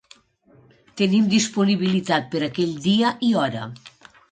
Tenim disponibilitat per aquell dia i hora.